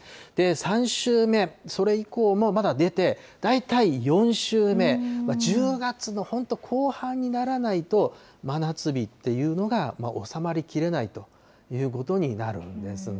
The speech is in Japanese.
３週目、それ以降もまだ出て、大体４週目、１０月の本当、後半にならないと、真夏日っていうのが収まりきれないということになるんですね。